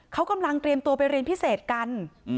เขากำลังเตรียมตัวไปเรียนพิเศษกัน